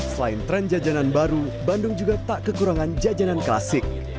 selain tren jajanan baru bandung juga tak kekurangan jajanan klasik